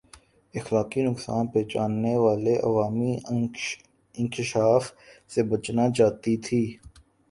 اخلاقی نقصان پہچانے والے عوامی انکشاف سے بچنا چاہتی تھِی